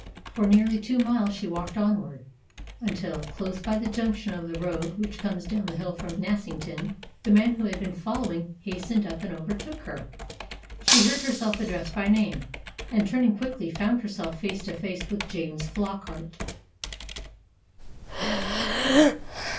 For nearly two miles she walked onward, until, close by the junction of the road which comes down the hill from Nassington, the man who had been following hastened up and overtook her. She heard herself addressed by name, and, turning quickly, found herself face to face with James Flockart.